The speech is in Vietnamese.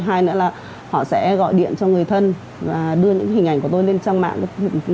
hai nữa là họ sẽ gọi điện cho người thân và đưa những hình ảnh của tôi lên trang mạng